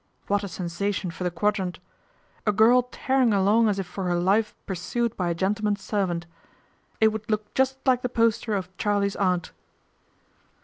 What a sensa tion for the Quadrant ! A girl tearing along as if for her life pursued by a gentleman's servant. It would look just like the poster of " Charley's Aunt."